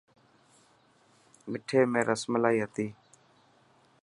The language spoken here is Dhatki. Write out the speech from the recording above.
مٺي ۾ رسملائي هتي.